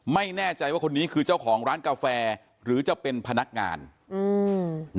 ไม่แน่ใจว่าคนนี้คือเจ้าของร้านกาแฟหรือจะเป็นพนักงานอืม